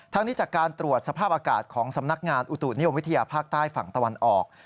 นี้จากการตรวจสภาพอากาศของสำนักงานอุตุนิยมวิทยาภาคใต้ฝั่งตะวันออก